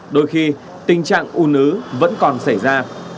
đôi khi tình trạng u nứ vẫn còn xảy ra